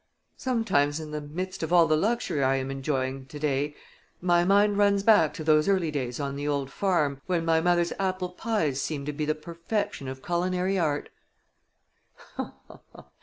"Sometimes in the midst of all the luxury I am enjoying to day my mind runs back to those early days on the old farm when my mother's apple pies seemed to be the perfection of culinary art."